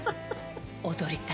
踊りたい。